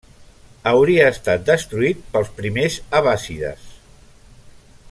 Hauria estat destruït pels primers abbàssides.